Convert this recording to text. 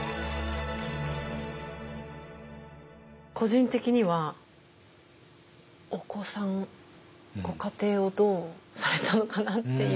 個人的にはお子さんご家庭をどうされたのかなっていう。